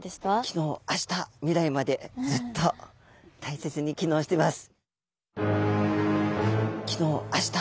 きのうあした未来までずっと大切に機能してます。